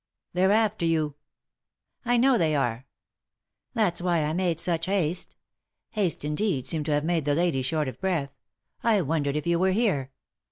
"They're after you 1" " I know they are." "That's why I made such haste." Haste, indeed, seemed to have made the lady short of breath. " I wondered if you were here."